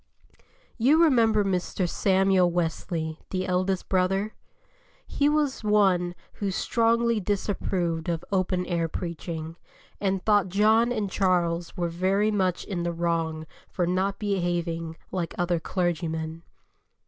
You remember Mr. Samuel Wesley, the eldest brother? He was one who strongly disapproved of open air preaching, and thought John and Charles were very much in the wrong for not behaving like other clergymen.